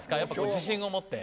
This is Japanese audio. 自信を持って。